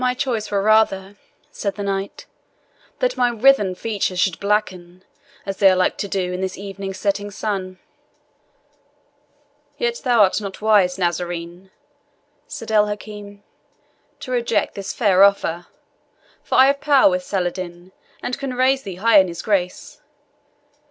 "My choice were rather," said the knight, "that my writhen features should blacken, as they are like to do, in this evening's setting sun." "Yet thou art not wise, Nazarene," said El Hakim, "to reject this fair offer; for I have power with Saladin, and can raise thee high in his grace.